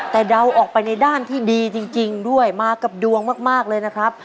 แต่เดาออกไปในด้านที่ดีจริงด้วยมากับดวงมากเลยนะครับ